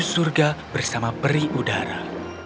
dia menuju surga bersama peri udara